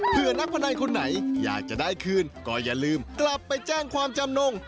เพื่อนักพนันคนไหนอยากจะได้คืนก็อย่าลืมกลับไปแจ้งความจำนง